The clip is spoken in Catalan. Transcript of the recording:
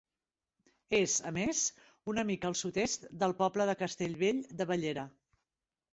És, a més, una mica al sud-est del poble de Castellvell de Bellera.